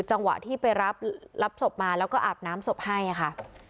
จังหวะที่ไปรับศพมาแล้วก็อาบน้ำศพให้ค่ะ